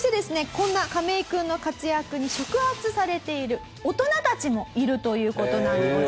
こんなカメイ君の活躍に触発されている大人たちもいるという事なんでございます。